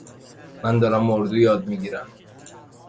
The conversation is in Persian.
من دارم اردو یاد می گیرم.